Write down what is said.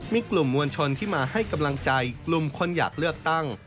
มีกลุ่มมวลชนที่มาให้กำลังใจกลุ่มคนอยากเลือกตั้ง